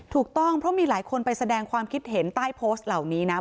ถูกต้องเพราะมีหลายคนไปแสดงความคิดเห็นใต้โพสต์เหล่านี้นะ